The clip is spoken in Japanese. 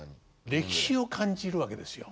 歴史を感じるわけですよ。